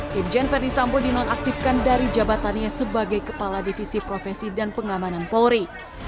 hipjen ferdisampo dinonaktifkan dari jabatannya sebagai kepala divisi profesi dan pengamanan polri